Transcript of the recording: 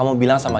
nanti kita ke sana